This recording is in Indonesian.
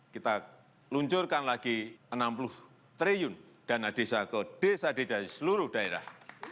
dua ribu tujuh belas kita luncurkan lagi rp enam puluh triliun dana desa ke desa desa di seluruh daerah